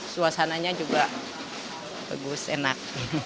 suasananya juga bagus enak